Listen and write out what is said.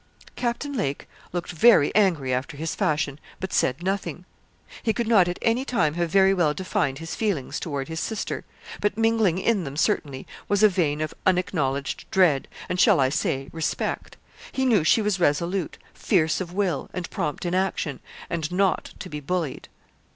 Captain Lake looked very angry after his fashion, but said nothing. He could not at any time have very well defined his feelings toward his sister, but mingling in them, certainly, was a vein of unacknowledged dread, and, shall I say, respect. He knew she was resolute, fierce of will, and prompt in action, and not to be bullied.